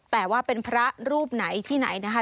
แต่ว่าเป็นพระรูปไหนที่ไหนนะคะ